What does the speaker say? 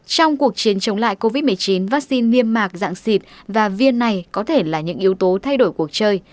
trong cuộc chiến chống lại covid một mươi chín vắc xin niêm mạc dạng xịt và viên này có thể là những yếu tố thay đổi cuộc chơi